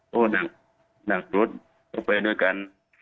พ่อดักรถต้องไปด้วยกัน